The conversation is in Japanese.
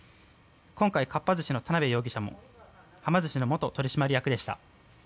今回、かっぱ寿司の田邊容疑者もはま寿司の元取締役でした。